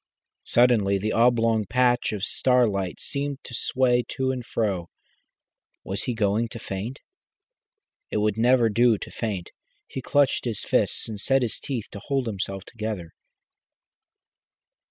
Suddenly the oblong patch of starlight seemed to sway to and fro. Was he going to faint? It would never do to faint. He clenched his fists and set his teeth to hold himself together.